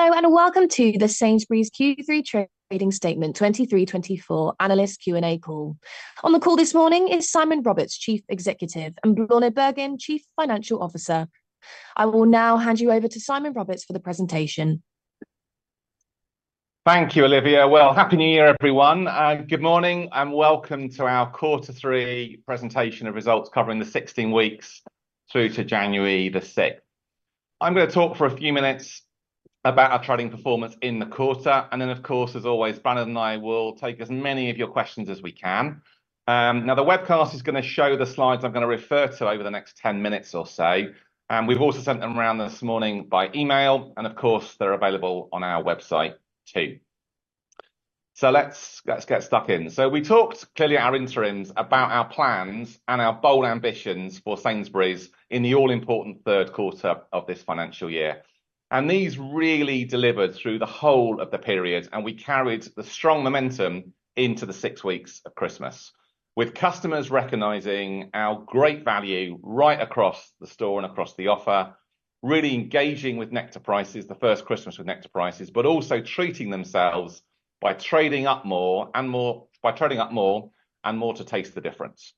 Hello, and welcome to the Sainsbury's Q3 Trading Statement 2023-2024 Analyst Q&A call. On the call this morning is Simon Roberts, Chief Executive, and Bláthnaid Bergin, Chief Financial Officer. I will now hand you over to Simon Roberts for the presentation. Thank you, Olivia. Happy New Year, everyone. Good morning, and welcome to our Quarter 3 presentation of results covering the 16 weeks through to January the 6th. I'm gonna talk for a few minutes about our trading performance in the quarter, and then, of course, as always, Bláthnaid and I will take as many of your questions as we can. Now, the webcast is gonna show the slides I'm gonna refer to over the next 10 minutes or so, and we've also sent them around this morning by email, and of course, they're available on our website, too. So let's get stuck in. So we talked clearly at our interims about our plans and our bold ambitions for Sainsbury's in the all-important Q3 of this financial year, and these really delivered through the whole of the period, and we carried the strong momentum into the six weeks of Christmas, with customers recognizing our great value right across the store and across the offer, really engaging with Nectar Prices, the first Christmas with Nectar Prices, but also treating themselves by trading up more and more—by trading up more and more to Taste the Difference.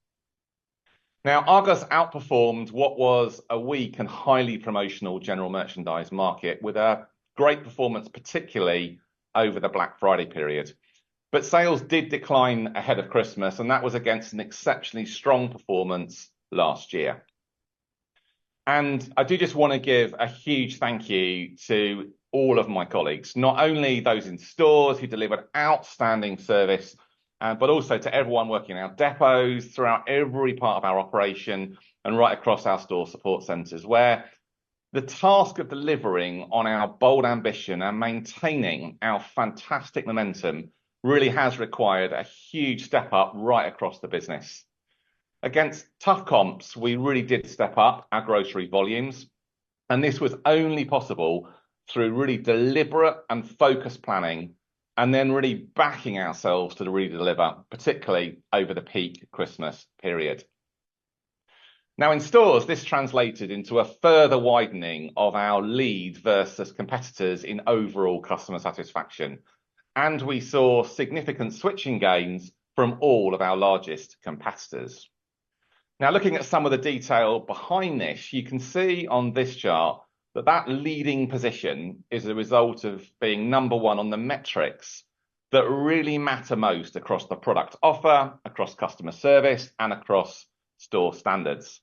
Now, August outperformed what was a weak and highly promotional general merchandise market, with a great performance, particularly over the Black Friday period. But sales did decline ahead of Christmas, and that was against an exceptionally strong performance last year. I do just want to give a huge thank you to all of my colleagues, not only those in stores who delivered outstanding service, but also to everyone working in our depots, throughout every part of our operation, and right across our store support centers, where the task of delivering on our bold ambition and maintaining our fantastic momentum really has required a huge step up right across the business. Against tough comps, we really did step up our grocery volumes, and this was only possible through really deliberate and focused planning, and then really backing ourselves to really deliver, particularly over the peak Christmas period. Now, in stores, this translated into a further widening of our lead versus competitors in overall customer satisfaction, and we saw significant switching gains from all of our largest competitors. Now, looking at some of the detail behind this, you can see on this chart that that leading position is a result of being number one on the metrics that really matter most across the product offer, across customer service, and across store standards.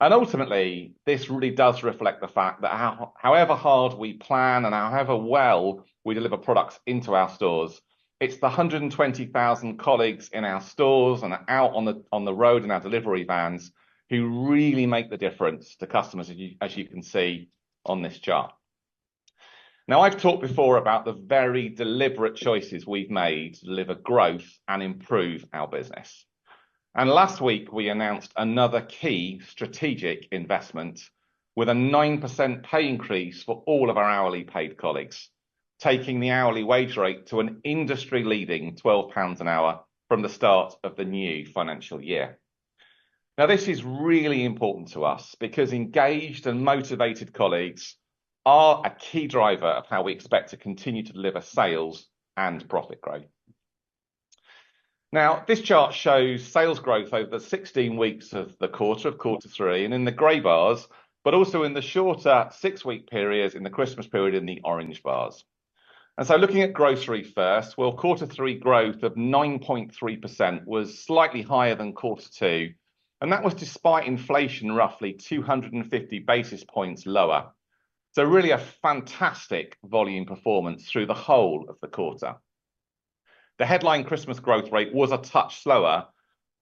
Ultimately, this really does reflect the fact that however hard we plan and however well we deliver products into our stores, it's the 120,000 colleagues in our stores and out on the road in our delivery vans who really make the difference to customers, as you can see on this chart. Now, I've talked before about the very deliberate choices we've made to deliver growth and improve our business. Last week, we announced another key strategic investment with a 9% pay increase for all of our hourly paid colleagues, taking the hourly wage rate to an industry-leading £12 an hour from the start of the new financial year. Now, this is really important to us, because engaged and motivated colleagues are a key driver of how we expect to continue to deliver sales and profit growth. Now, this chart shows sales growth over the 16 weeks of the quarter, of Quarter 3, and in the gray bars, but also in the shorter 6-week periods in the Christmas period in the orange bars. And so looking at grocery first, Quarter 3 growth of 9.3% was slightly higher than Quarter 2, and that was despite inflation roughly 250 basis points lower. So really a fantastic volume performance through the whole of the quarter. The headline Christmas growth rate was a touch slower,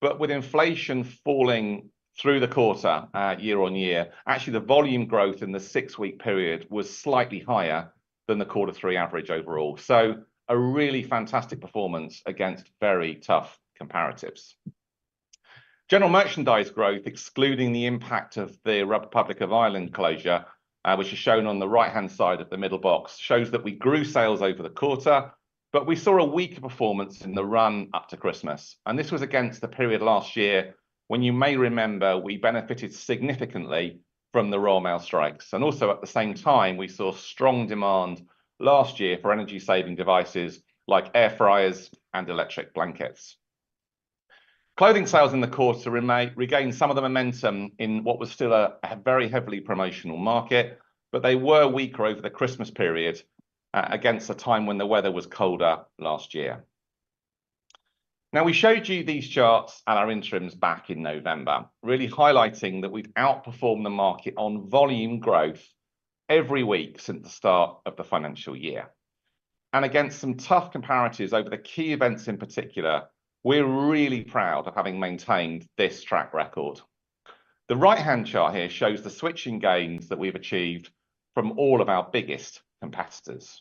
but with inflation falling through the quarter, year-over-year, actually, the volume growth in the six-week period was slightly higher than the Quarter 3 average overall. So a really fantastic performance against very tough comparatives. General merchandise growth, excluding the impact of the Republic of Ireland closure, which is shown on the right-hand side of the middle box, shows that we grew sales over the quarter, but we saw a weaker performance in the run up to Christmas, and this was against the period last year when you may remember we benefited significantly from the Royal Mail strikes. And also at the same time, we saw strong demand last year for energy-saving devices like air fryers and electric blankets. Clothing sales in the quarter regained some of the momentum in what was still a very heavily promotional market, but they were weaker over the Christmas period against the time when the weather was colder last year. Now, we showed you these charts at our interims back in November, really highlighting that we've outperformed the market on volume growth every week since the start of the financial year. And against some tough comparatives over the key events in particular, we're really proud of having maintained this track record. The right-hand chart here shows the switching gains that we've achieved from all of our biggest competitors.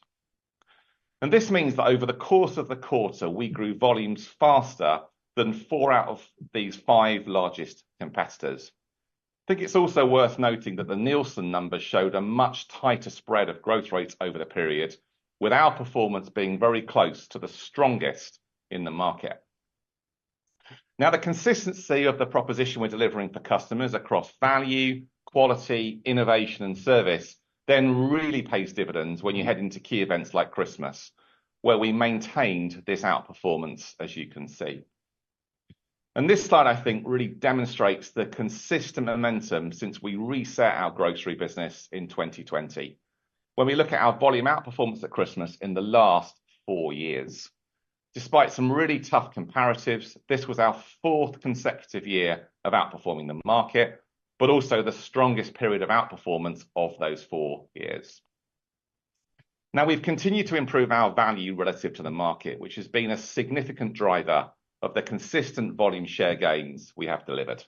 And this means that over the course of the quarter, we grew volumes faster than four out of these five largest competitors. I think it's also worth noting that the Nielsen numbers showed a much tighter spread of growth rates over the period, with our performance being very close to the strongest in the market. Now, the consistency of the proposition we're delivering for customers across value, quality, innovation, and service then really pays dividends when you head into key events like Christmas, where we maintained this outperformance, as you can see. And this slide, I think, really demonstrates the consistent momentum since we reset our grocery business in 2020. When we look at our volume outperformance at Christmas in the last four years, despite some really tough comparatives, this was our fourth consecutive year of outperforming the market, but also the strongest period of outperformance of those four years. Now, we've continued to improve our value relative to the market, which has been a significant driver of the consistent volume share gains we have delivered.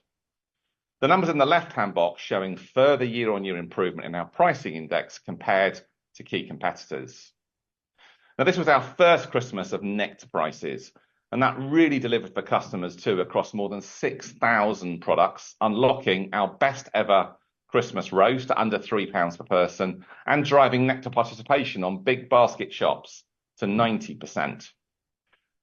The numbers in the left-hand box showing further year-on-year improvement in our pricing index compared to key competitors. Now, this was our first Christmas of Nectar Prices, and that really delivered for customers, too, across more than 6,000 products, unlocking our best ever Christmas roast, under 3 pounds per person, and driving Nectar participation on big basket shops to 90%.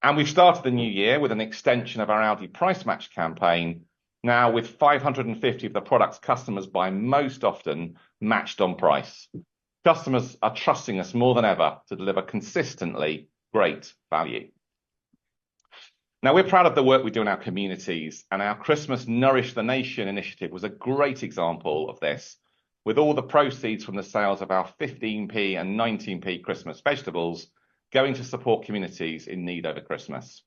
And we've started the new year with an extension of our Aldi Price Match campaign, now with 550 of the products customers buy most often matched on price. Customers are trusting us more than ever to deliver consistently great value. Now, we're proud of the work we do in our communities, and our Christmas Nourish the Nation initiative was a great example of this. With all the proceeds from the sales of our 15p and 19p Christmas vegetables going to support communities in need over Christmas.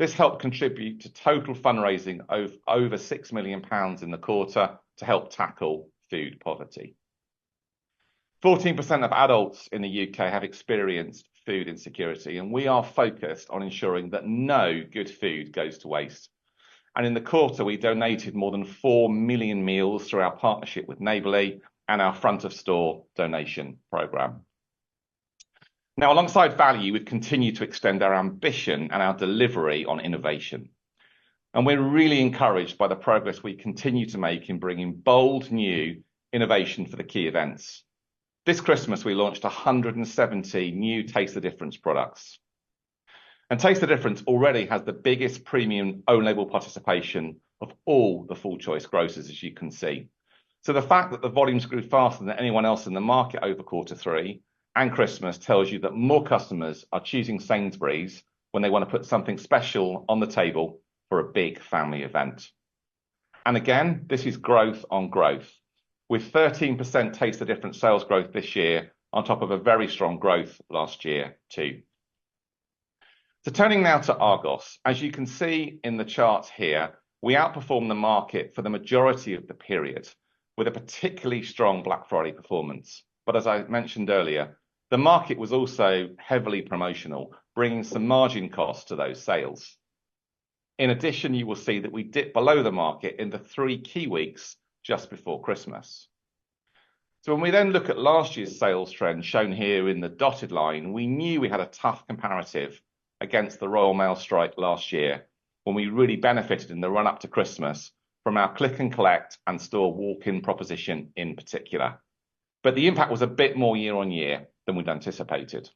This helped contribute to total fundraising of over 6 million pounds in the quarter to help tackle food poverty. 14% of adults in the U.K. have experienced food insecurity, and we are focused on ensuring that no good food goes to waste. In the quarter, we donated more than 4 million meals through our partnership with Neighbourly and our front of store donation program. Now, alongside value, we've continued to extend our ambition and our delivery on innovation, and we're really encouraged by the progress we continue to make in bringing bold, new innovation for the key events. This Christmas, we launched 170 new Taste the Difference products. Taste the Difference already has the biggest premium, own-label participation of all the full choice grocers, as you can see. The fact that the volumes grew faster than anyone else in the market over quarter three and Christmas tells you that more customers are choosing Sainsbury's when they want to put something special on the table for a big family event. Again, this is growth on growth, with 13% Taste the Difference sales growth this year on top of a very strong growth last year, too. Turning now to Argos. As you can see in the charts here, we outperformed the market for the majority of the period with a particularly strong Black Friday performance. But as I mentioned earlier, the market was also heavily promotional, bringing some margin costs to those sales. In addition, you will see that we dipped below the market in the three key weeks just before Christmas. So when we then look at last year's sales trends, shown here in the dotted line, we knew we had a tough comparative against the Royal Mail strike last year, when we really benefited in the run up to Christmas from our click and collect and store walk-in proposition in particular. But the impact was a bit more year-on-year than we'd anticipated.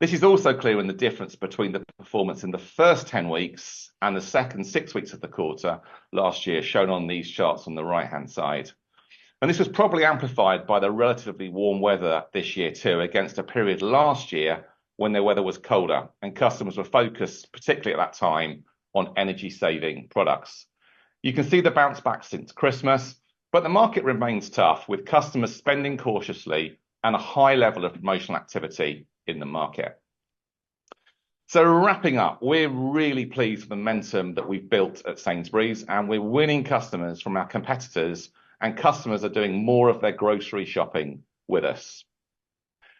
This is also clear in the difference between the performance in the first ten weeks and the second six weeks of the quarter last year, shown on these charts on the right-hand side. This was probably amplified by the relatively warm weather this year, too, against a period last year when the weather was colder and customers were focused, particularly at that time, on energy saving products. You can see the bounce back since Christmas, but the market remains tough, with customers spending cautiously and a high level of promotional activity in the market. Wrapping up, we're really pleased with the momentum that we've built at Sainsbury's, and we're winning customers from our competitors, and customers are doing more of their grocery shopping with us.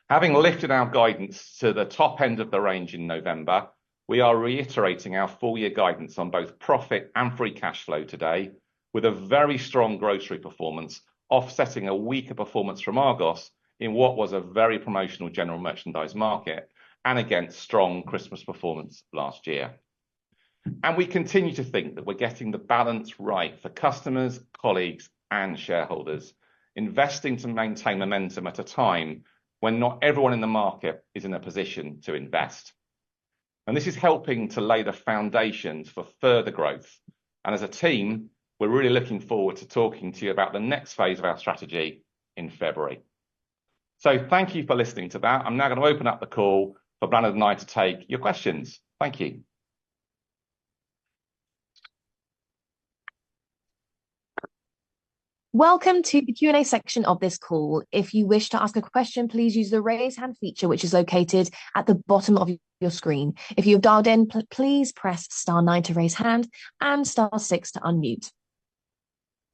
Having lifted our guidance to the top end of the range in November, we are reiterating our full year guidance on both profit and free cash flow today, with a very strong grocery performance, offsetting a weaker performance from Argos in what was a very promotional general merchandise market and against strong Christmas performance last year. We continue to think that we're getting the balance right for customers, colleagues, and shareholders, investing to maintain momentum at a time when not everyone in the market is in a position to invest. This is helping to lay the foundations for further growth. As a team, we're really looking forward to talking to you about the next phase of our strategy in February. Thank you for listening to that. I'm now going to open up the call for Bláthnaid and I to take your questions. Thank you. Welcome to the Q&A section of this call. If you wish to ask a question, please use the Raise Hand feature, which is located at the bottom of your screen. If you have dialed in, please press star nine to raise hand and star six to unmute.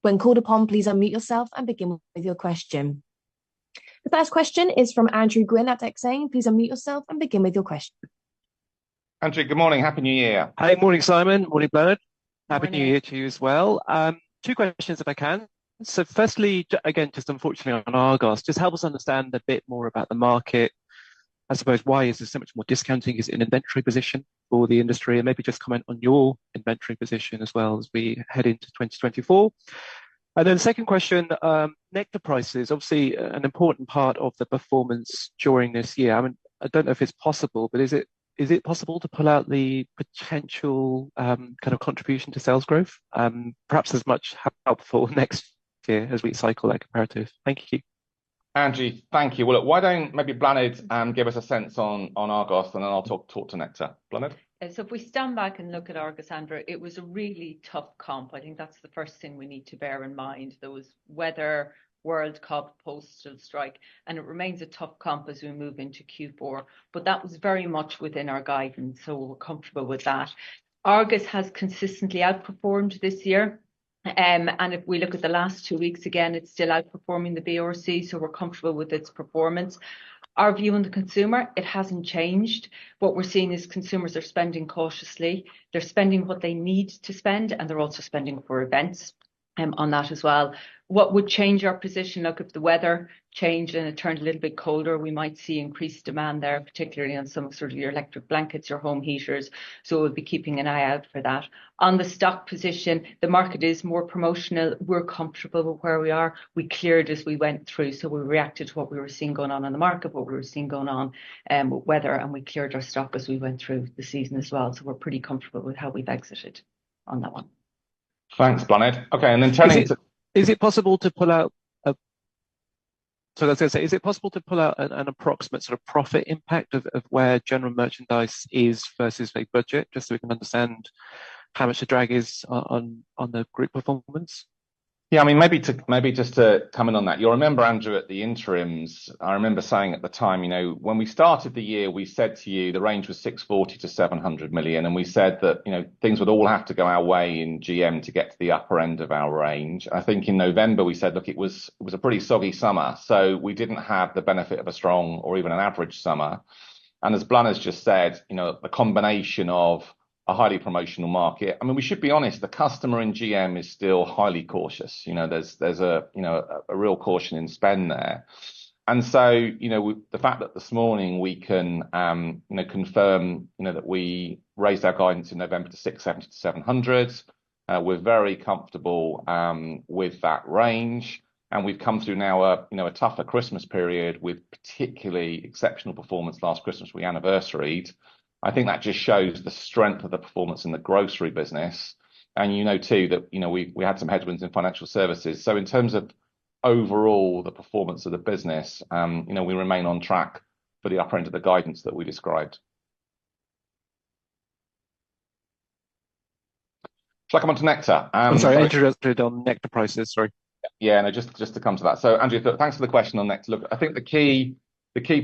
When called upon, please unmute yourself and begin with your question. The first question is from Andrew Gwynn at Exane. Please unmute yourself and begin with your question. Andrew, good morning. Happy New Year! Hi. Morning, Simon. Morning, Bláthnaid. Happy New Year to you. Two questions, if I can. So firstly, again, just unfortunately on Argos, just help us understand a bit more about the market. I suppose why is there so much more discounting? Is it an inventory position for the industry? And maybe just comment on your inventory position as we head into 2024. And then the second question, Nectar Prices, obviously, an important part of the performance during this year. I mean, I don't know if it's possible, but is it, is it possible to pull out the potential, contribution to sales growth? Perhaps as much helpful next year as we cycle that comparative. Thank you. Andrew, thank you. Why don't maybe Bláthnaid give us a sense on Argos, and then I'll talk to Nectar. Bláthnaid? So if we stand back and look at Argos, Andrew, it was a really tough comp. I think that's the first thing we need to bear in mind. There was weather, World Cup, postal strike, and it remains a tough comp as we move into Q4. But that was very much within our guidance, so we're comfortable with that. Argos has consistently outperformed this year. And if we look at the last two weeks, again, it's still outperforming the BRC, so we're comfortable with its performance. Our view on the consumer, it hasn't changed. What we're seeing is consumers are spending cautiously. They're spending what they need to spend, and they're also spending for events, on that. What would change our position? Look, if the weather changed and it turned a little bit colder, we might see increased demand there, particularly on some of sort of your electric blankets or home heaters. So we'll be keeping an eye out for that. On the stock position, the market is more promotional. We're comfortable with where we are. We cleared as we went through, so we reacted to what we were seeing going on in the market, what we were seeing going on, with weather, and we cleared our stock as we went through the season. So we're pretty comfortable with how we've exited on that one. Thanks, Bláthnaid. Okay, and then Tony. Is it possible to pull out a. So I was gonna say, is it possible to pull out an approximate profit impact of where general merchandise is versus a budget, just so we can understand how much the drag is on the group performance? I mean, maybe just to comment on that. You'll remember, Andrew, at the interims, I remember saying at the time, you know, when we started the year, we said to you the range was 640 million-700 million, and we said that, you know, things would all have to go our way in GM to get to the upper end of our range. I think in November, we said, look, it was, it was a pretty soggy summer, so we didn't have the benefit of a strong or even an average summer. And as Bláthnaid has just said, you know, a combination of a highly promotional market. I mean, we should be honest, the customer in GM is still highly cautious. You know, there's, there's a, you know, a real caution in spend there. And so, you know, the fact that this morning we can, you know, confirm, you know, that we raised our guidance in November to 670-700, we're very comfortable with that range, and we've come through now, you know, a tougher Christmas period, with particularly exceptional performance last Christmas we anniversaried. I think that just shows the strength of the performance in the grocery business, and you know, too, that, you know, we had some headwinds in financial services. So in terms of overall, the performance of the business, you know, we remain on track for the upper end of the guidance that we described. So I come onto Nectar. I'm sorry, interested on Nectar Prices. Sorry. No, just to come to that. So, Andrew, thanks for the question on Nectar. Look, I think the key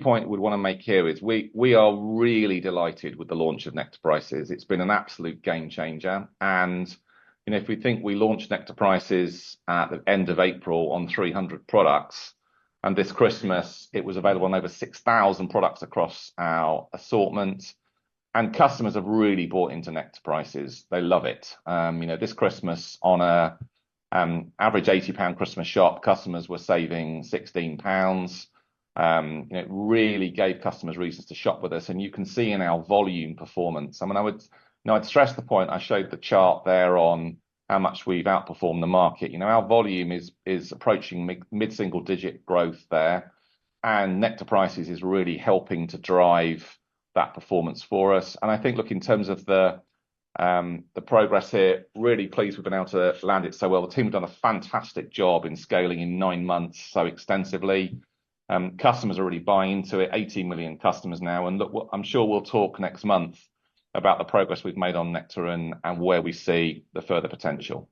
point we'd want to make here is we are really delighted with the launch of Nectar Prices. It's been an absolute game changer and, you know, if we think we launched Nectar Prices at the end of April on 300 products, and this Christmas, it was available on over 6,000 products across our assortment, and customers have really bought into Nectar Prices. They love it. You know, this Christmas, on an average 80 pound Christmas shop, customers were saving 16 pounds. It really gave customers reasons to shop with us, and you can see in our volume performance. I mean, I would, you know, I'd stress the point, I showed the chart there on how much we've outperformed the market. You know, our volume is approaching mid-single digit growth there, and Nectar Prices is really helping to drive that performance for us. And I think, look, in terms of the progress here, really pleased we've been able to land it so well. The team have done a fantastic job in scaling in nine months so extensively. Customers are really buying into it, 80 million customers now. And look, I'm sure we'll talk next month about the progress we've made on Nectar and where we see the further potential.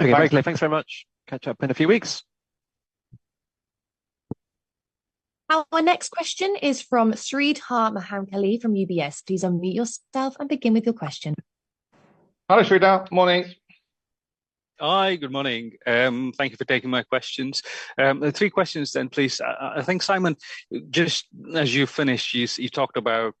Okay, very clear. Thanks very much. Catch up in a few weeks. Our next question is from Sreedhar Mahamkali from UBS. Please unmute yourself and begin with your question. Hi, Sreedhar. Good morning. Hi, good morning. Thank you for taking my questions. Three questions then, please. I think, Simon, just as you finished, you talked about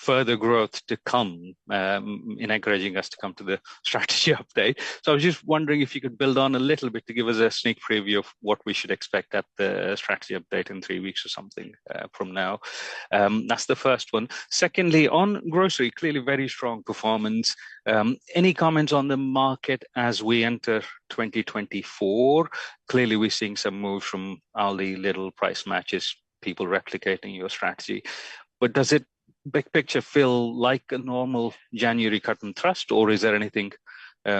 further growth to come in encouraging us to come to the strategy update. So I was just wondering if you could build on a little bit to give us a sneak preview of what we should expect at the strategy update in three weeks or something from now. That's the first one. Secondly, on grocery, clearly very strong performance. Any comments on the market as we enter 2024? Clearly, we're seeing some move from Aldi, little price matches, people replicating your strategy. But does it, big picture, feel like a normal January cut and thrust, or is there anything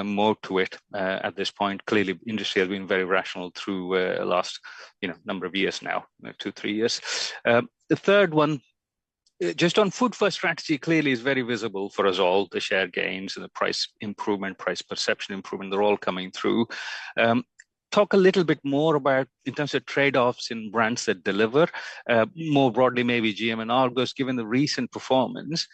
more to it at this point? Clearly, industry has been very rational through last, you know, number of years now, 2, 3 years. The third one, just on Food First strategy, clearly is very visible for us all, the share gains and the price improvement, price perception improvement, they're all coming through. Talk a little bit more about in terms of trade-offs in brands that deliver more broadly, maybe GM and Argos, given the recent performance.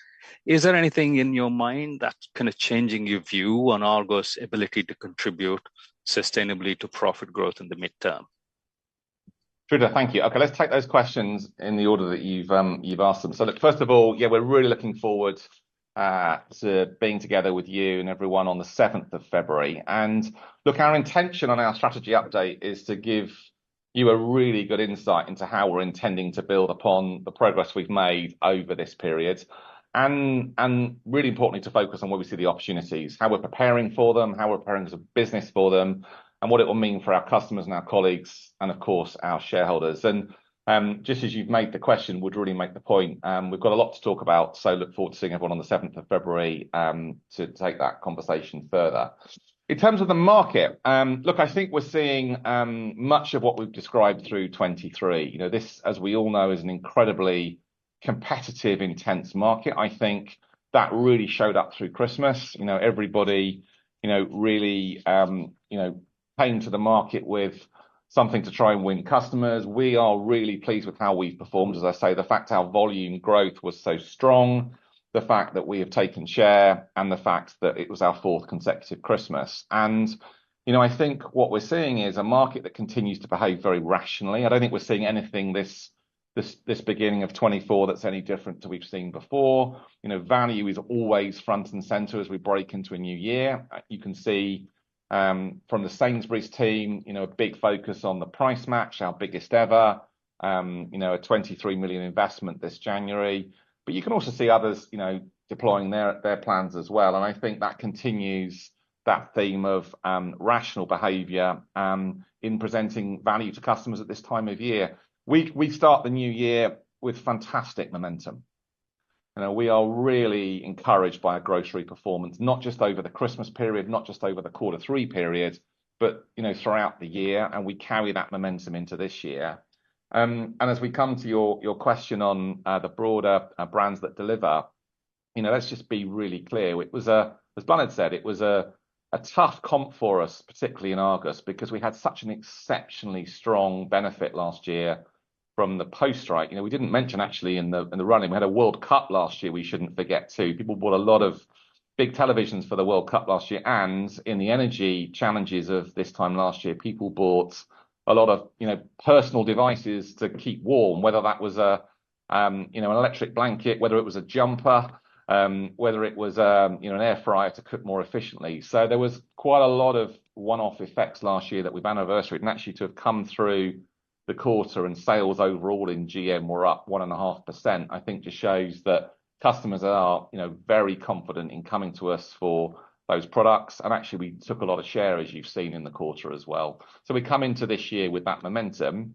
Is there anything in your mind that's changing your view on Argos' ability to contribute sustainably to profit growth in the midterm? Sridhar, thank you. Okay, let's take those questions in the order that you've asked them. So look, first of all, we're really looking forward to being together with you and everyone on the seventh of February. And look, our intention on our strategy update is to give you a really good insight into how we're intending to build upon the progress we've made over this period. And really importantly, to focus on where we see the opportunities, how we're preparing for them, how we're preparing the business for them, and what it will mean for our customers and our colleagues, and of course, our shareholders. And just as you've made the question, would really make the point, we've got a lot to talk about, so look forward to seeing everyone on the seventh of February to take that conversation further. In terms of the market, look, I think we're seeing much of what we've described through 2023. You know, this, as we all know, is an incredibly competitive, intense market. I think that really showed up through Christmas. You know, everybody, you know, really came to the market with something to try and win customers. We are really pleased with how we've performed. As I say, the fact our volume growth was so strong, the fact that we have taken share, and the fact that it was our fourth consecutive Christmas. You know, I think what we're seeing is a market that continues to behave very rationally. I don't think we're seeing anything this beginning of 2024 that's any different to we've seen before. You know, value is always front and center as we break into a new year. You can see from the Sainsbury's team, you know, a big focus on the price match, our biggest ever. You know, a 23 million investment this January. But you can also see others, you know, deploying their, their plans and I think that continues that theme of rational behavior in presenting value to customers at this time of year. We start the new year with fantastic momentum, and we are really encouraged by our grocery performance, not just over the Christmas period, not just over the quarter three period, but, you know, throughout the year, and we carry that momentum into this year. And as we come to your question on the broader brands that deliver, you know, let's just be really clear. It was. As Bláthnaid said, it was a tough comp for us, particularly in Argos, because we had such an exceptionally strong benefit last year from the post strike. You know, we didn't mention actually in the running, we had a World Cup last year, we shouldn't forget, too. People bought a lot of big televisions for the World Cup last year, and in the energy challenges of this time last year, people bought a lot of, you know, personal devices to keep warm, whether that was a, you know, an electric blanket, whether it was a jumper, whether it was, you know, an air fryer to cook more efficiently. So there was quite a lot of one-off effects last year that we've anniversaryed, and actually to have come through the quarter and sales overall in GM were up 1.5%, I think just shows that customers are, you know, very confident in coming to us for those products. And actually, we took a lot of share, as you've seen in the quarter. So we come into this year with that momentum,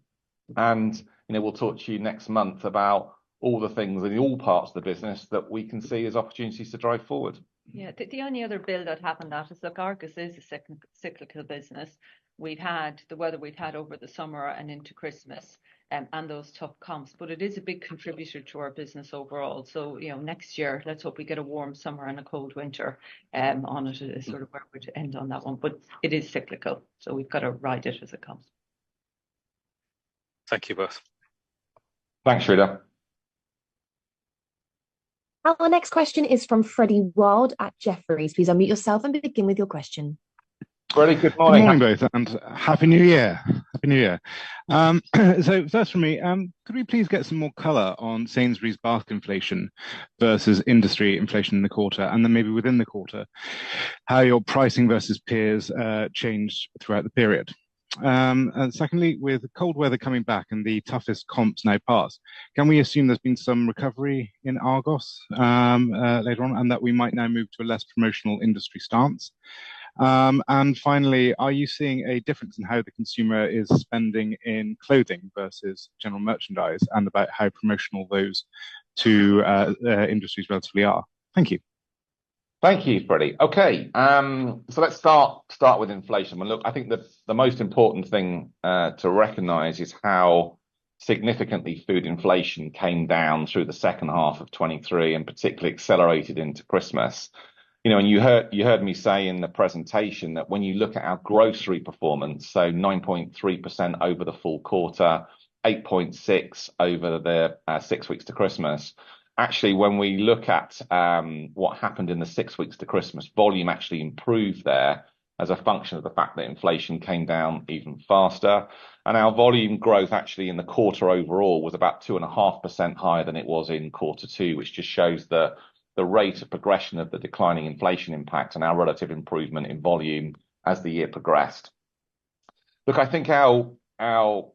and, you know, we'll talk to you next month about all the things in all parts of the business that we can see as opportunities to drive forward. The only other build that happened, that is, look, Argos is a cyclical business. We've had the weather we've had over the summer and into Christmas, and those tough comps, but it is a big contributor to our business overall. So, you know, next year, let's hope we get a warm summer and a cold winter, on it, is where we end on that one. But it is cyclical, so we've got to ride it as it comes. Thank you both. Thanks. Our next question is from Freddie Wild at Jefferies. Please unmute yourself and begin with your question. Freddie, good morning. Good morning, both, and Happy New Year. Happy New Year. So first for me, could we please get some more color on Sainsbury's basket inflation versus industry inflation in the quarter? And then maybe within the quarter, how your pricing versus peers changed throughout the period. And secondly, with the cold weather coming back and the toughest comps now passed, can we assume there's been some recovery in Argos later on, and that we might now move to a less promotional industry stance? And finally, are you seeing a difference in how the consumer is spending in clothing versus general merchandise, and about how promotional those two industries relatively are? Thank you. Thank you, Freddie. Okay, so let's start with inflation. Look, I think the most important thing to recognize is how significantly food inflation came down through the H2 of 2023, and particularly accelerated into Christmas. You know, and you heard, you heard me say in the presentation that when you look at our grocery performance, so 9.3% over the full quarter, 8.6% over the six weeks to Christmas. Actually, when we look at what happened in the six weeks to Christmas, volume actually improved there as a function of the fact that inflation came down even faster. Our volume growth actually in the quarter overall, was about 2.5% higher than it was in quarter two, which just shows the rate of progression of the declining inflation impact and our relative improvement in volume as the year progressed. Look, I think our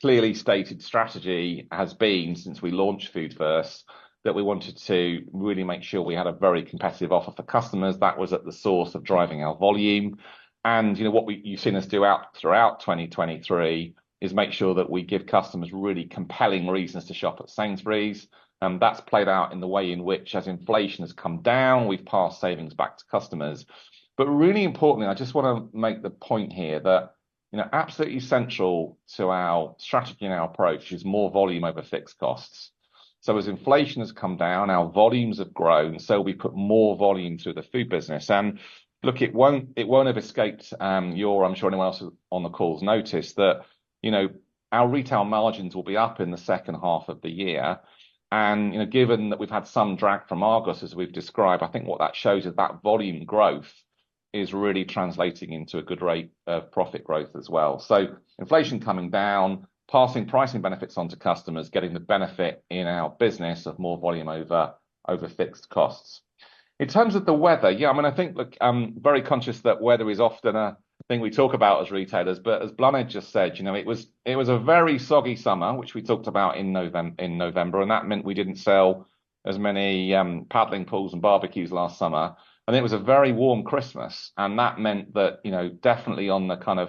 clearly stated strategy has been, since we launched Food First, that we wanted to really make sure we had a very competitive offer for customers that was at the source of driving our volume. And, you know, what you've seen us do throughout 2023, is make sure that we give customers really compelling reasons to shop at Sainsbury's, and that's played out in the way in which, as inflation has come down, we've passed savings back to customers. But really importantly, I just wanna make the point here that, you know, absolutely essential to our strategy and our approach is more volume over fixed costs. So as inflation has come down, our volumes have grown, so we put more volume to the food business. And look, it won't, it won't have escaped, your, I'm sure anyone else on the call's notice that, you know, our retail margins will be up in the H2 of the year. And, you know, given that we've had some drag from Argos, as we've described, I think what that shows is that volume growth is really translating into a good rate of profit growth. So inflation coming down, passing pricing benefits on to customers, getting the benefit in our business of more volume over, over fixed costs. In terms of the weather, I mean, I think, look, I'm very conscious that weather is often a thing we talk about as retailers, but as Bláthnaid just said, you know, it was, it was a very soggy summer, which we talked about in November, and that meant we didn't sell as many paddling pools and barbecues last summer. It was a very warm Christmas, and that meant that, you know, definitely on the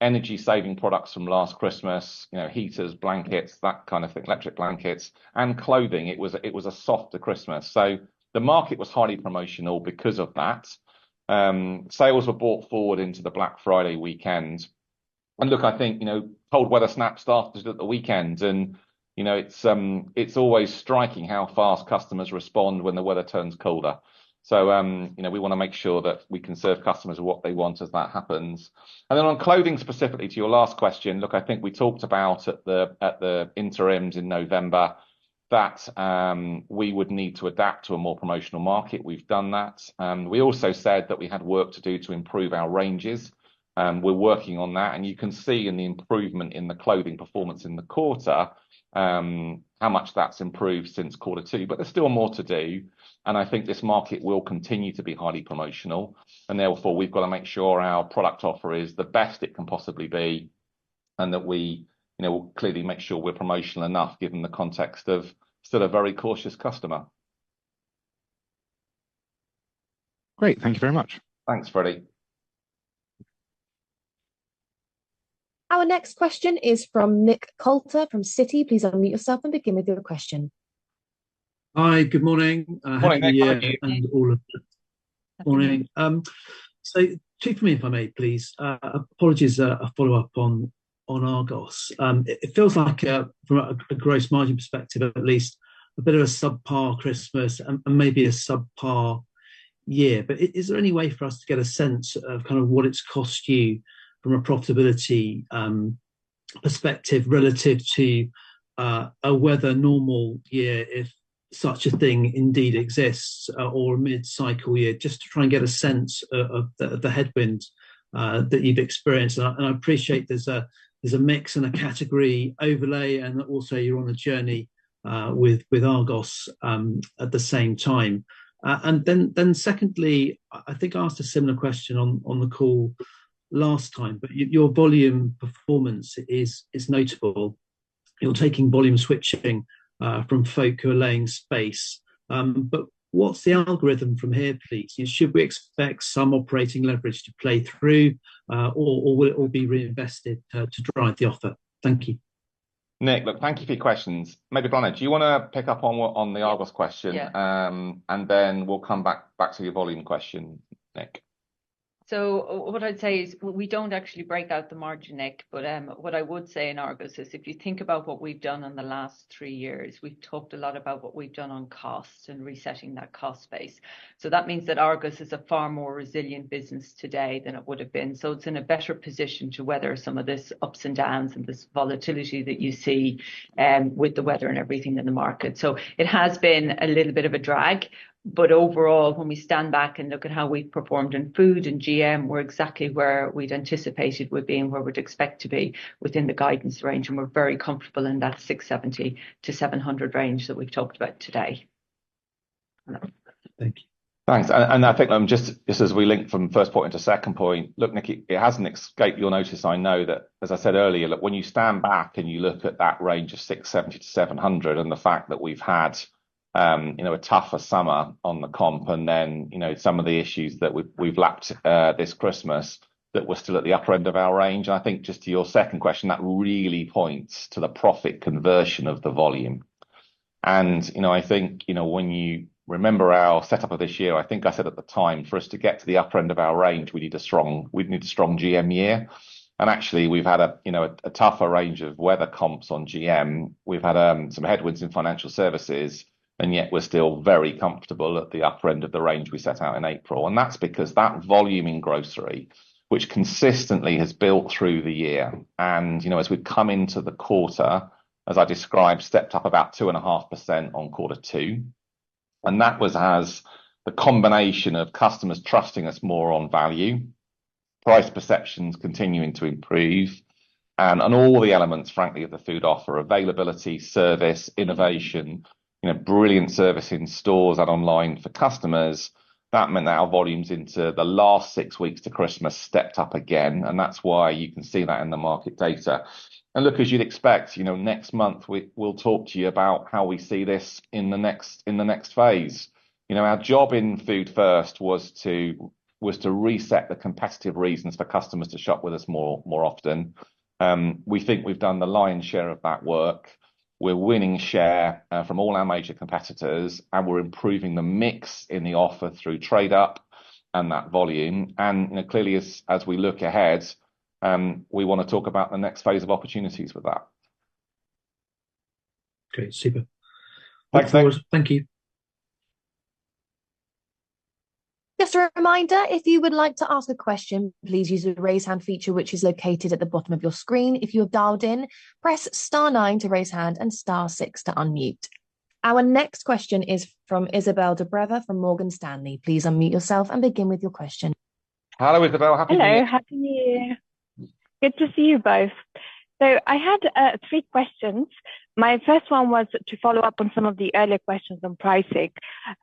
energy-saving products from last Christmas, you know, heaters, blankets, that thing, electric blankets and clothing, it was a softer Christmas. The market was highly promotional because of that. Sales were brought forward into the Black Friday weekend. And look, I think, you know, cold weather snap started at the weekend, and, you know, it's always striking how fast customers respond when the weather turns colder. So, you know, we wanna make sure that we can serve customers what they want as that happens. And then on clothing, specifically, to your last question: Look, I think we talked about at the interims in November that we would need to adapt to a more promotional market. We've done that. We also said that we had work to do to improve our ranges, and we're working on that. And you can see in the improvement in the clothing performance in the quarter how much that's improved since quarter two. But there's still more to do, and I think this market will continue to be highly promotional, and therefore, we've got to make sure our product offer is the best it can possibly be, and that we, you know, clearly make sure we're promotional enough, given the context of still a very cautious customer. Great. Thank you very much. Thanks, Freddie. Our next question is from Nick Coulter from Citi. Please unmute yourself and begin with your question. Hi, good morning. Morning, Nick. And all of you. Morning. So two for me, if I may, please. Apologies, a follow-up on Argos. It feels like from a gross margin perspective, at least, a bit of a subpar Christmas and maybe a subpar year. But is there any way for us to get a sense of what it's cost you from a profitability perspective relative to a weather normal year, if such a thing indeed exists, or a mid-cycle year, just to try and get a sense of the headwind that you've experienced? And I appreciate there's a mix and a category overlay, and also you're on a journey with Argos at the same time. And then secondly, I think I asked a similar question on the call last time, but your volume performance is notable. You're taking volume switching from folk who are laying space. But what's the algorithm from here, please? And should we expect some operating leverage to play through, or will it all be reinvested to drive the offer? Thank you. Nick, look, thank you for your questions. Maybe, Bláthnaid, do you wanna pick up on the Argos question? Yeah. We'll come back, back to your volume question, Nick. So what I'd say is, we don't actually break out the margin, Nick, but, what I would say in Argos is, if you think about what we've done in the last three years, we've talked a lot about what we've done on costs and resetting that cost base. So that means that Argos is a far more resilient business today than it would have been. So it's in a better position to weather some of this ups and downs and this volatility that you see, with the weather and everything in the market. So it has been a little bit of a drag, but overall, when we stand back and look at how we've performed in food and GM, we're exactly where we'd anticipated we'd be and where we'd expect to be within the guidance range, and we're very comfortable in that 670-700 range that we've talked about today. Thank you. Thanks. And I think, just as we link from first point to second point, look, Nick, it hasn't escaped your notice, I know that, as I said earlier, look, when you stand back and you look at that range of 670-700 and the fact that we've had, you know, a tougher summer on the comp, and then, you know, some of the issues that we've lapped, this Christmas, that we're still at the upper end of our range. And I think just to your second question, that really points to the profit conversion of the volume. And, you know, I think, you know, when you remember our setup of this year, I think I said at the time, for us to get to the upper end of our range, we need a strong, we'd need a strong GM year. And actually, we've had, you know, a tougher range of weather comps on GM. We've had some headwinds in financial services, and yet we're still very comfortable at the upper end of the range we set out in April. And that's because that volume in grocery, which consistently has built through the year, and, you know, as we've come into the quarter, as I described, stepped up about 2.5% on quarter two, and that was as the combination of customers trusting us more on value, price perceptions continuing to improve and all the elements, frankly, of the food offer, availability, service, innovation, you know, brilliant service in stores and online for customers. That meant that our volumes into the last six weeks to Christmas stepped up again, and that's why you can see that in the market data. Look, as you'd expect, you know, next month, we'll talk to you about how we see this in the next phase. You know, our job in Food First was to reset the competitive reasons for customers to shop with us more often. We think we've done the lion's share of that work. We're winning share from all our major competitors, and we're improving the mix in the offer through trade up and that volume. You know, clearly, as we look ahead, we wanna talk about the next phase of opportunities with that. Okay, super. Right. Thanks. Thank you. Just a reminder, if you would like to ask a question, please use the Raise Hand feature, which is located at the bottom of your screen. If you're dialed in, press Star nine to raise hand and Star six to unmute. Our next question is from Izabel Dobreva from Morgan Stanley. Please unmute yourself and begin with your question. Hello, Izabel Happy New Year. Hello, Happy New Year. Good to see you both. So I had three questions. My first one was to follow up on some of the earlier questions on pricing.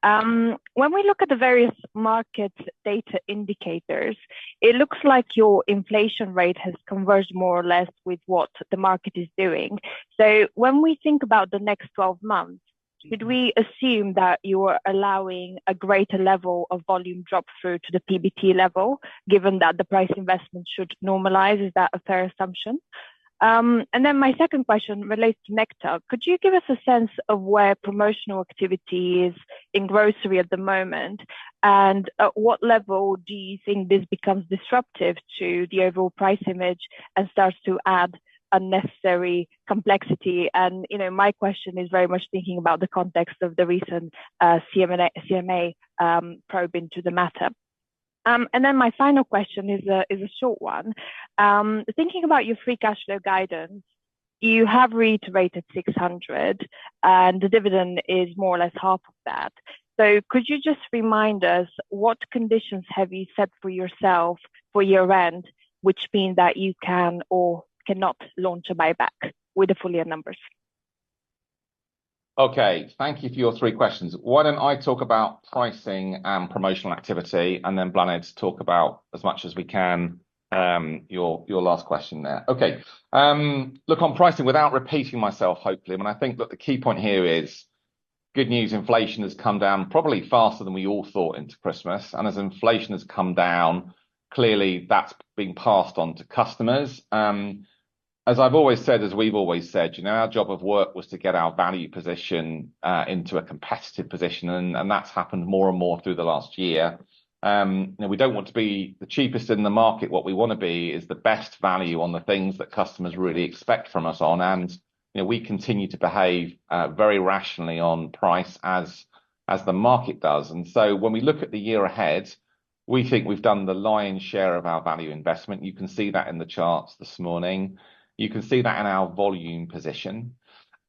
When we look at the various market data indicators, it looks like your inflation rate has converged more or less with what the market is doing. So when we think about the next twelve months, should we assume that you are allowing a greater level of volume drop through to the PBT level, given that the price investment should normalize? Is that a fair assumption? And then my second question relates to Nectar. Could you give us a sense of where promotional activity is in grocery at the moment? And at what level do you think this becomes disruptive to the overall price image and starts to add unnecessary complexity? You know, my question is very much thinking about the context of the recent CMA probe into the matter. And then my final question is a short one. Thinking about your free cash flow guidance, you have reiterated 600, and the dividend is more or less half of that. So could you just remind us what conditions have you set for yourself for year-end, which mean that you can or cannot launch a buyback with the full year numbers? Okay, thank you for your three questions. Why don't I talk about pricing and promotional activity, and then Bláthnaid talk about, as much as we can, your, your last question there? Okay. Look, on pricing, without repeating myself, hopefully, when I think that the key point here is, good news, inflation has come down probably faster than we all thought into Christmas. And as inflation has come down, clearly that's being passed on to customers. As I've always said, as we've always said, you know, our job of work was to get our value position into a competitive position, and, and that's happened more and more through the last year. You know, we don't want to be the cheapest in the market. What we want to be is the best value on the things that customers really expect from us on, and, you know, we continue to behave very rationally on price as, as the market does. And so when we look at the year ahead, we think we've done the lion's share of our value investment. You can see that in the charts this morning. You can see that in our volume position.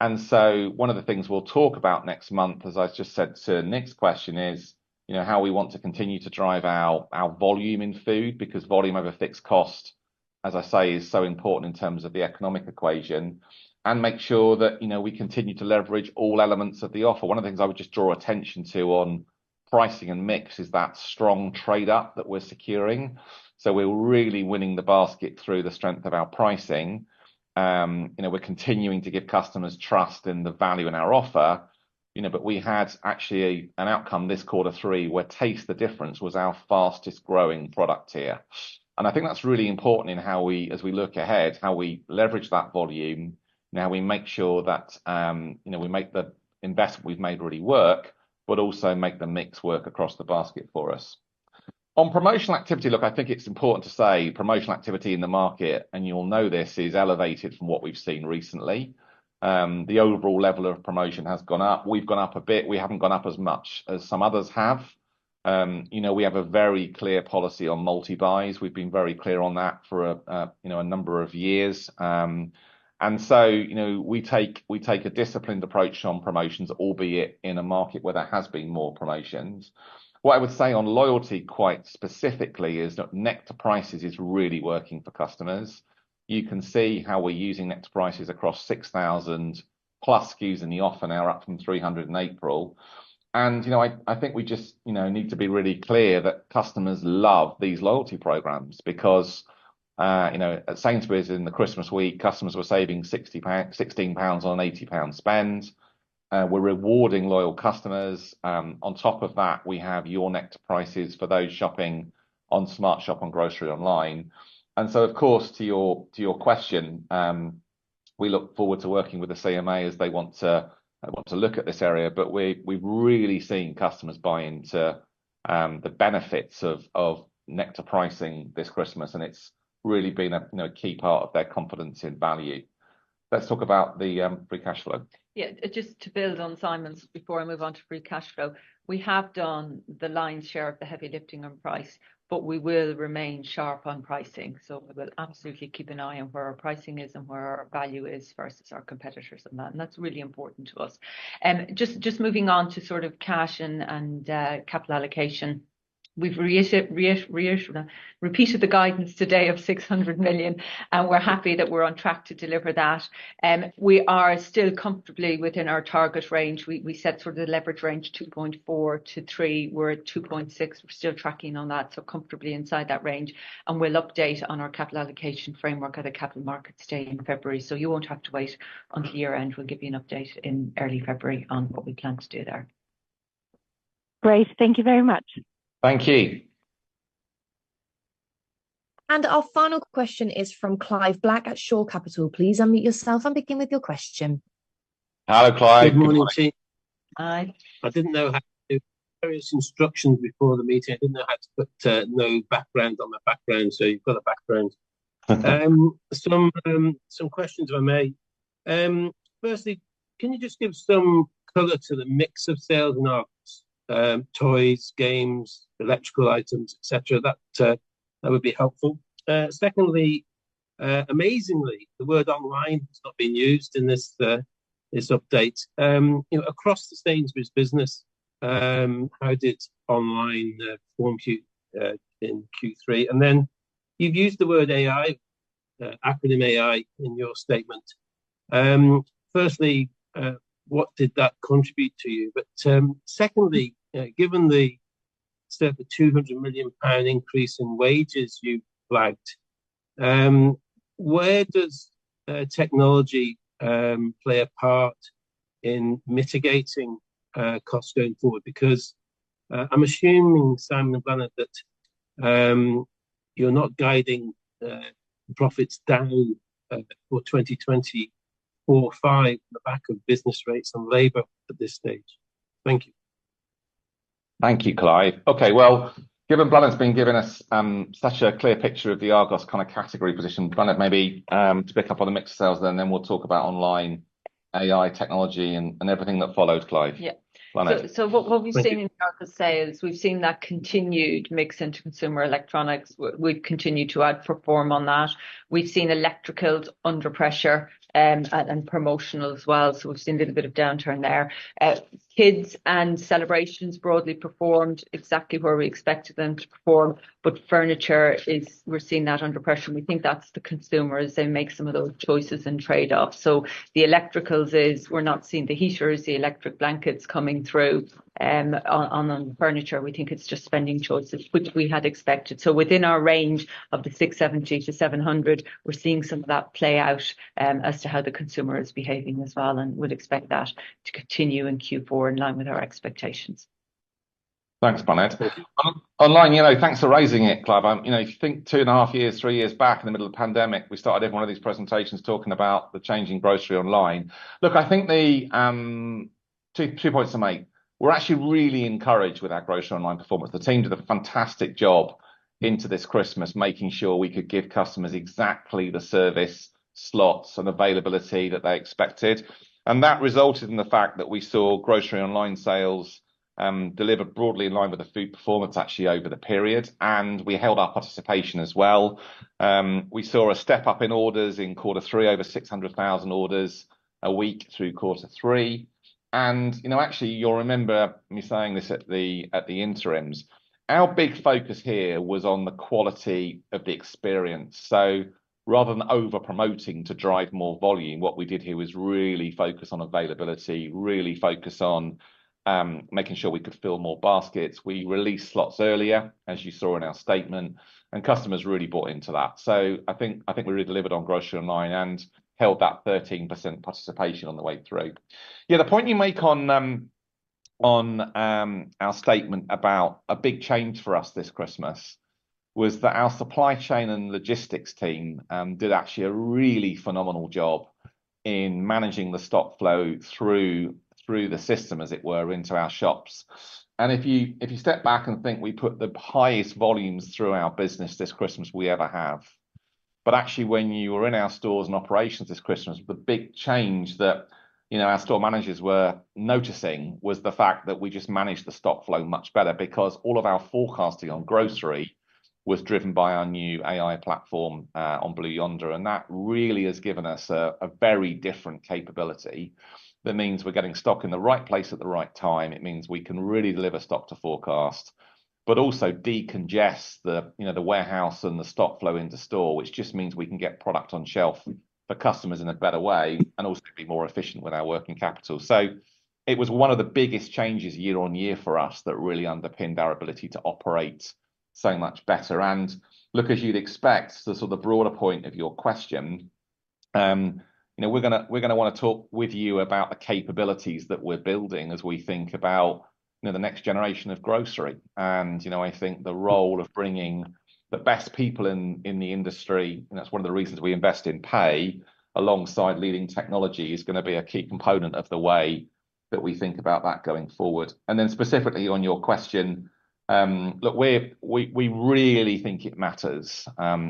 And so one of the things we'll talk about next month, as I just said to Nick's question, is, you know, how we want to continue to drive our, our volume in food, because volume of a fixed cost, as I say, is so important in terms of the economic equation. And make sure that, you know, we continue to leverage all elements of the offer. One of the things I would just draw attention to on pricing and mix is that strong trade up that we're securing. So we're really winning the basket through the strength of our pricing. You know, we're continuing to give customers trust in the value in our offer, you know, but we had actually an outcome, this quarter three, where Taste the Difference was our fastest growing product here. And I think that's really important in how we—as we look ahead, how we leverage that volume, how we make sure that, you know, we make the investment we've made already work, but also make the mix work across the basket for us. On promotional activity, look, I think it's important to say promotional activity in the market, and you'll know this, is elevated from what we've seen recently. The overall level of promotion has gone up. We've gone up a bit. We haven't gone up as much as some others have. You know, we have a very clear policy on multi-buys. We've been very clear on that for a, you know, a number of years. And so, you know, we take, we take a disciplined approach on promotions, albeit in a market where there has been more promotions. What I would say on loyalty, quite specifically, is that Nectar Prices is really working for customers. You can see how we're using Nectar Prices across 6,000+ SKUs in the off, and now we're up from 300 in April. And, you know, I, I think we just, you know, need to be really clear that customers love these loyalty programs because, you know, at Sainsbury's in the Christmas week, customers were saving 60 pack £16 on £80 spend. We're rewarding loyal customers. On top of that, we have your Nectar Prices for those shopping on SmartShop on Grocery online. So, of course, to your question, we look forward to working with the CMA as they want to look at this area, but we've really seen customers buy into the benefits of Nectar pricing this Christmas, and it's really been a, you know, key part of their confidence in value. Let's talk about the free cash flow. Just to build on Simon's before I move on to free cash flow. We have done the lion's share of the heavy lifting on price, but we will remain sharp on pricing. So we will absolutely keep an eye on where our pricing is and where our value is versus our competitors on that, and that's really important to us. Just moving on to cash and capital allocation. We've repeated the guidance today of 600 million, and we're happy that we're on track to deliver that. We are still comfortably within our target range. We set the leverage range, 2.4-3. We're at 2.6. We're still tracking on that, so comfortably inside that range, and we'll update on our capital allocation framework at a capital markets day in February. You won't have to wait until year-end. We'll give you an update in early February on what we plan to do there. Great. Thank you very much. Thank you. Our final question is from Clive Black at Shore Capital. Please unmute yourself and begin with your question. Hello, Clive. Good morning to you. Hi. I didn't know how to various instructions before the meeting. I didn't know how to put no background on my background, so you've got a background. Okay. Some questions, if I may. Firstly, can you just give some color to the mix of sales and ops, toys, games, electrical items, et cetera? That would be helpful. Secondly, amazingly, the word online has not been used in this update. You know, across the Sainsbury's business, how did online perform in Q3? And then you've used the word AI, acronym AI, in your statement. Firstly, what did that contribute to you? But secondly, given the the 200 million pound increase in wages you flagged, where does technology play a part in mitigating costs going forward? Because, I'm assuming, Simon and Bláthnaid, that you're not guiding profits down for 2024/5 on the back of business rates and labor at this stage. Thank you. Thank you, Clive. Okay, given Janet's been giving us such a clear picture of the Argos category position, Janet, maybe to pick up on the mixed sales, and then we'll talk about online, AI, technology, and everything that follows, Clive. Yeah. Janet. So, what we've seen. Thank you In terms of sales, we've seen that continued mix into consumer electronics. We've continued to outperform on that. We've seen electrical under pressure, and promotional, so we've seen a little bit of downturn there. Kids and celebrations broadly performed exactly where we expected them to perform, but furniture is. We're seeing that under pressure, and we think that's the consumers. They make some of those choices and trade-offs. So the electricals is, we're not seeing the heaters, the electric blankets coming through. On furniture, we think it's just spending choices, which we had expected. So within our range of the 670-700, we're seeing some of that play out, as to how the consumer is behaving and would expect that to continue in Q4 in line with our expectations. Thanks, Bláthnaid. Online, you know, thanks for raising it, Clive. You know, if you think 2.5 years, 3 years back in the middle of the pandemic, we started every one of these presentations talking about the changing grocery online. Look, I think the two, two points to make. We're actually really encouraged with our grocery online performance. The team did a fantastic job into this Christmas, making sure we could give customers exactly the service, slots, and availability that they expected, and that resulted in the fact that we saw grocery online sales delivered broadly in line with the food performance actually over the period, and we held our participation. We saw a step up in orders in quarter three, over 600,000 orders a week through quarter three. You know, actually, you'll remember me saying this at the Interims. Our big focus here was on the quality of the experience. So rather than over-promoting to drive more volume, what we did here was really focus on availability, really focus on making sure we could fill more baskets. We released slots earlier, as you saw in our statement, and customers really bought into that. So I think, I think we really delivered on grocery online and held that 13% participation on the way through. The point you make on our statement about a big change for us this Christmas was that our supply chain and logistics team did actually a really phenomenal job in managing the stock flow through the system, as it were, into our shops. And if you, if you step back and think, we put the highest volumes through our business this Christmas we ever have. But actually, when you were in our stores and operations this Christmas, the big change that, you know, our store managers were noticing was the fact that we just managed the stock flow much better because all of our forecasting on grocery was driven by our new AI platform on Blue Yonder, and that really has given us a, a very different capability. That means we're getting stock in the right place at the right time. It means we can really deliver stock to forecast, but also decongest the, you know, the warehouse and the stock flow into store, which just means we can get product on shelf for customers in a better way, and also be more efficient with our working capital. It was one of the biggest changes year on year for us that really underpinned our ability to operate so much better. Look, as you'd expect, the broader point of your question, you know, we're gonna wanna talk with you about the capabilities that we're building as we think about, you know, the next generation of grocery. You know, I think the role of bringing the best people in the industry, and that's one of the reasons we invest in pay, alongside leading technology, is gonna be a key component of the way that we think about that going forward. And then specifically on your question, look, we really think it matters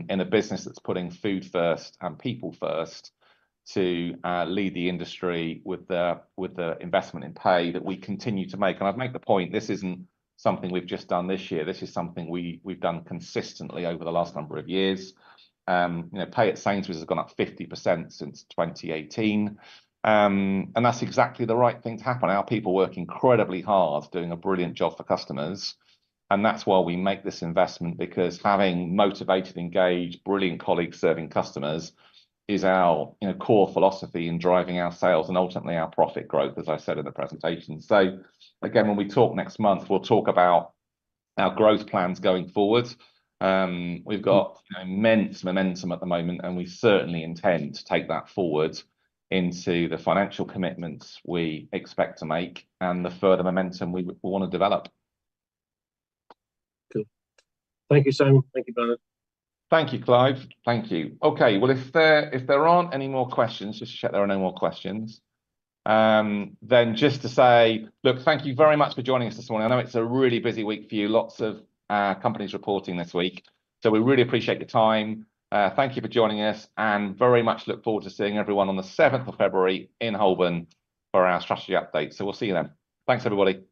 in a business that's putting food first and people first, to lead the industry with the investment in pay that we continue to make. And I'd make the point, this isn't something we've just done this year. This is something we've done consistently over the last number of years. You know, pay at Sainsbury's has gone up 50% since 2018, and that's exactly the right thing to happen. Our people work incredibly hard, doing a brilliant job for customers, and that's why we make this investment, because having motivated, engaged, brilliant colleagues serving customers is our, you know, core philosophy in driving our sales and ultimately our profit growth, as I said in the presentation. So again, when we talk next month, we'll talk about our growth plans going forward. We've got immense momentum at the moment, and we certainly intend to take that forward into the financial commitments we expect to make and the further momentum we wanna develop. Cool. Thank you, Simon. Thank you, Bláthnaid. Thank you, Clive. Thank you. Okay, if there aren't any more questions, just check there are no more questions, then just to say: Look, thank you very much for joining us this morning. I know it's a really busy week for you. Lots of companies reporting this week, so we really appreciate your time. Thank you for joining us, and very much look forward to seeing everyone on the seventh of February in Holborn for our strategy update. So we'll see you then. Thanks, everybody.